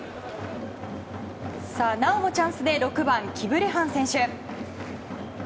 なおもチャンスで６番、キブレハン選手。